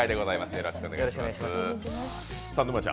よろしくお願いします。